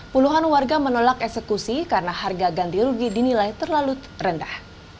puluhan warga menolak eksekusi karena harga ganti rugi dinilai terlalu rendah